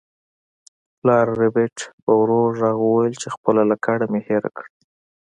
پلار ربیټ په ورو غږ وویل چې خپله لکړه مې هیره کړه